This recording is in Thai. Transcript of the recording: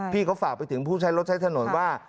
พี่เขาฝากไปถึงผู้ใช้รถใช้ถนนว่า